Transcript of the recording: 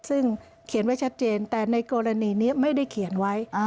ซึ่งเขียนไว้ชัดเจนแต่ในกรณีนี้ไม่ได้เขียนไว้